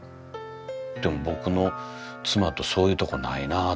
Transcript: でも僕の妻とそういうとこないなと思って。